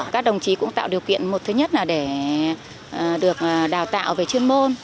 các đồng chí cũng tạo điều kiện một thứ nhất là để được đào tạo về chuyên môn